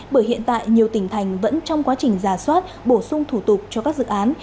bởi hiện tại nhiều tỉnh thành vẫn trong quá trình giả soát bổ sung thủ tục cho các dự án